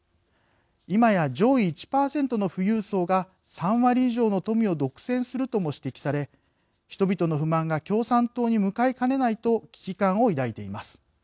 今や上位１％の富裕層が３割以上の富を独占するとも指摘され人々の不満が共産党に向かいかねないと危機感を抱いています。